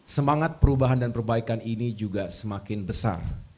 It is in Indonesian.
semangat perubahan dan perbaikan ini juga semakin besar